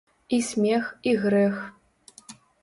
І смех, і грэх.